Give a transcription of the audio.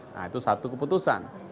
nah itu satu keputusan